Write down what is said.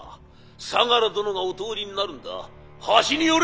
相楽殿がお通りになるんだ端に寄れ」。